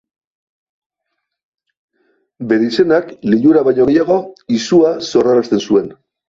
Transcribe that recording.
Bere izenak lilura baino gehiago izua sorrarazten zuen.